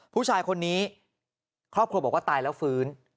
ผู้ชายคนนี้ครอบครัวบอกว่าตายแล้วฟื้น